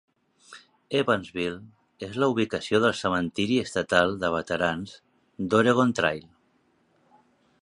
Evansville és la ubicació del Cementiri Estatal de Veterans d"Oregon Trail.